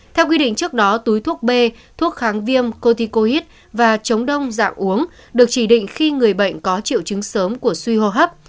theo quy định trước đó túi thuốc b thuốc kháng viêm cothicoid và chống đông dạng uống được chỉ định khi người bệnh có triệu chứng sớm của suy hô hấp